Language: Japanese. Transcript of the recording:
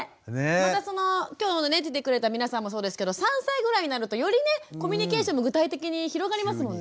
また今日出てくれた皆さんもそうですけど３歳ぐらいになるとよりねコミュニケーションも具体的に広がりますもんね。